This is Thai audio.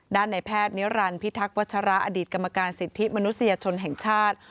ในแพทย์นิรันดิพิทักษ์วัชราอดีตกรรมการสิทธิมนุษยชนแห่งชาติ